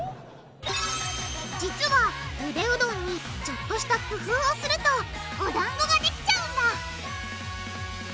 実はゆでうどんにちょっとした工夫をするとおだんごができちゃうんだ！